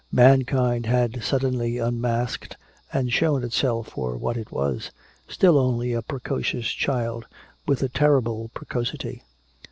Mankind had suddenly unmasked and shown itself for what it was still only a precocious child, with a terrible precocity.